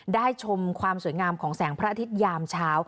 ชมความสวยงามของแสงพระอาทิตยามเช้า